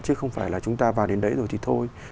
chứ không phải là chúng ta vào đến đấy rồi thì thôi